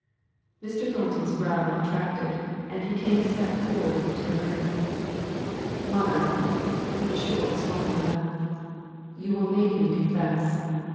Mr. Thornton's brow contracted, and he came a step forward into the room. "Mother" (with a short scornful laugh), "you will make me confess.